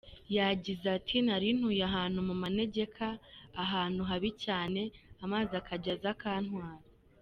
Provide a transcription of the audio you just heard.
Yagize ati “Nari ntuye ahantu mu manegeka ahantu habi cyane, amazi akajya aza akantwara.